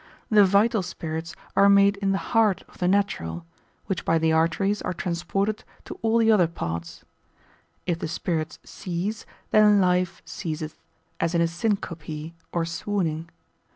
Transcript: The vital spirits are made in the heart of the natural, which by the arteries are transported to all the other parts: if the spirits cease, then life ceaseth, as in a syncope or swooning.